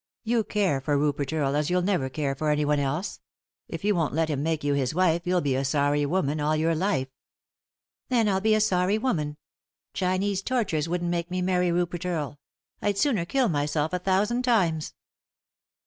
You care for Rupert Earle as you'll raver care for anyone else; if you won't let him make you his wife you'll be a sorry woman all your life." "Then I'll be a sorry woman, Chinese tortures wouldn't make me marry Rupert Earle; I'd sooner kill myself a thousand times."